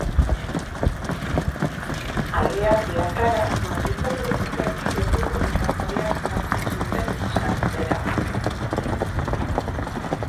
Alea plazara Madrilgo probintziatik gertuko nekazariak ekartzen zuten saltzera.